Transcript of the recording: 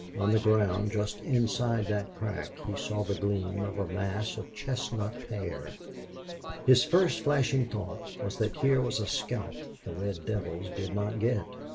On the ground, just inside that crack he saw the gleam of a mass of chestnut hair. His first flashing thought was that here was a scalp the red devils did not get.